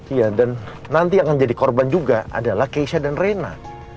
iya dan nanti yang akan jadi korban juga adalah keisha dan rena